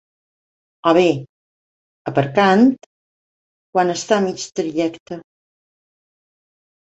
O bé «aparcant» quan està a mig trajecte.